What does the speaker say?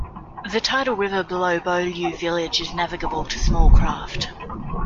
The tidal river below Beaulieu village is navigable to small craft.